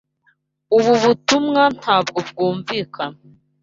Ubu butumwa ntabwo bwumvikana.